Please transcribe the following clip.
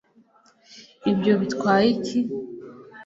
ibyo bitwaye iki